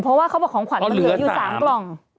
เพราะว่าเขาบอกของขวัญมันเหลืออยู่สามกล่องเออเหลือสาม